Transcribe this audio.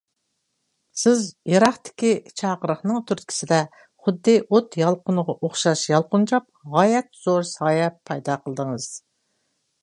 سىز يىراقتىكى چاقىرىقنىڭ تۈرتكىسىدە، خۇددى ئوت يالقۇنىغا ئوخشاش يالقۇنجاپ، غايەت زور سايە پەيدا قىلدىڭىز.